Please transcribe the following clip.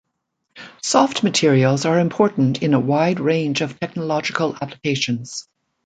Soft materials are important in a wide range of technological applications.